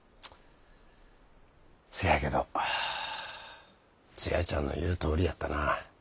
せやけどツヤちゃんの言うとおりやったな。